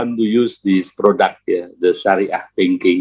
yang ingin menggunakan produk ini shariah banking